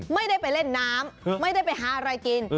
ไม่ได้ไปเล่นน้ำไม่ได้ไปหาอะไรกิน